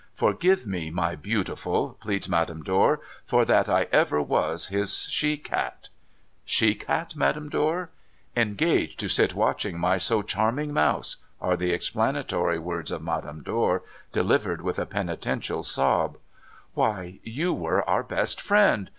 ' Forgive me, my beautiful,' pleads Madame Dor, ' for that I ever was his she cat !'* She cat, Madame Dor?' * Engaged to sit watching my so charming mouse,' are the explanatory words of Madame Dor, delivered with a penitential sob. ' Why, you were our best friend